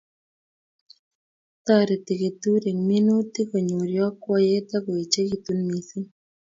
Toreti keturek minutik konyor yakwaiyet akoechikitu missing